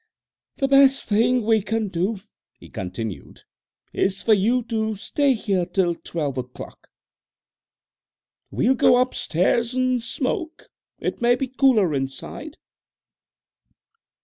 "The best thing we can do," he continued, "is for you to stay here till twelve o'clock. We'll go upstairs and smoke; it may be cooler inside."